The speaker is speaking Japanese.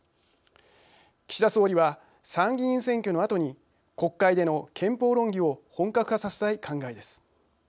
岸田総理は、参議院選挙のあとに国会での憲法論議を本格化させたい考えです。